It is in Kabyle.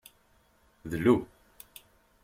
Dlu.